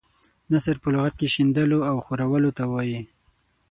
نثر په لغت کې شیندلو او خورولو ته وايي.